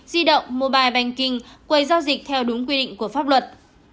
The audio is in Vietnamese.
di động mobile banking quầy giao dịch theo đúng quy định của pháp luật